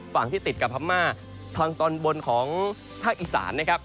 ฝั่งที่ติดกับพม่าทางตอนบนของภาคอีสานนะครับ